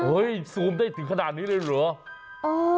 โอ้ยซูมได้ถึงขนาดนี้เลยหรือ